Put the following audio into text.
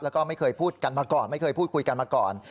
แล้วก็ไม่เคยพูดกันมาก่อนไม่เคยพูดคุยกันมาก่อน